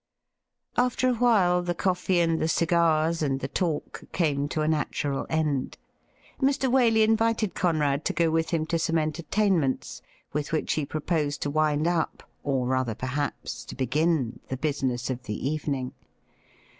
After a while, the coffee and the cigars and the talk came to a natural end. Mr. Waley invited Conrad to go with him to some entertainments with which he proposed to wind up, or rather, perhaps, to begin, the business of the evening.